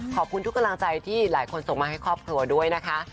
ขอบคุณทุกกำลังใจที่หลายคนส่งมาให้ครอบครัวด้วยนะคะ